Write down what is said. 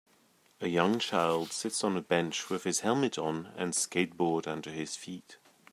A young child sits on a bench with his helmet on and skateboard under his feet.